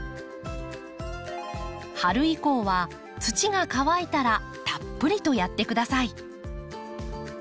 春以降は土が乾いたらたっぷりとやってください。